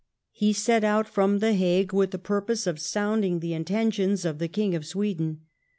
He set out from The Hague with the purpose of sounding the intentions of the King of Sweden.